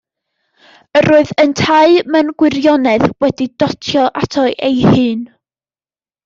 Yr oedd yntau mewn gwirionedd wedi dotio ato ei hun.